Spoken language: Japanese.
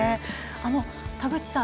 田口さん